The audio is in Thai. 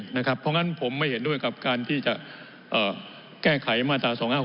เพราะฉะนั้นผมไม่เห็นด้วยกับการที่จะแก้ไขมาตรา๒๕๖